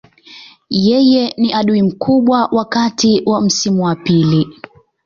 Yeye ni adui mkubwa wakati wa msimu wa pili.